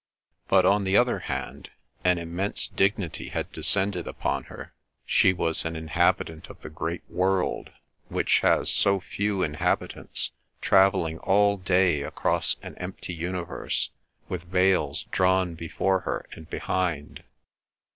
But, on the other hand, an immense dignity had descended upon her; she was an inhabitant of the great world, which has so few inhabitants, travelling all day across an empty universe, with veils drawn before her and behind.